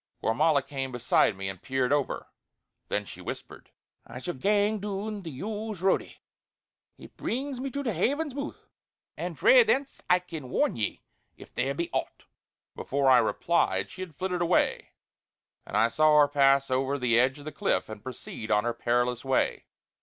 Gormala came beside me and peered over; then she whispered: "I shall gang doon the yowes' roadie; it brings me to the Haven's mooth, and frae thence I can warn ye if there be aught!" Before I replied she had flitted away, and I saw her pass over the edge of the cliff and proceed on her perilous way.